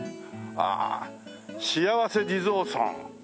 あ「幸せ地蔵尊」。